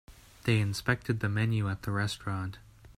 They inspected the menu at the restaurant.